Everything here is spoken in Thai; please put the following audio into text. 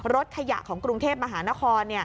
รถขยะของกรุงเทพมหานคร